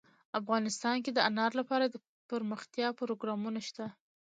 افغانستان کې د انار لپاره دپرمختیا پروګرامونه شته.